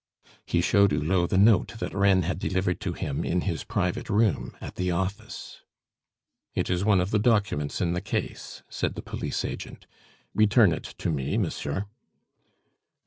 He showed Hulot the note that Reine had delivered to him in his private room at the office. "It is one of the documents in the case," said the police agent; "return it to me, monsieur."